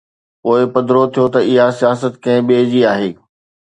پوءِ پڌرو ٿيو ته اها سياست ڪنهن ٻئي جي آهي.